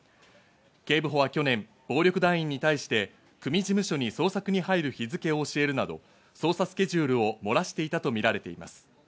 警部補は去年、暴力団員に対して組事務所に捜索に入る日付を教えるなど、捜査スケジュールを漏らしていたとみられています。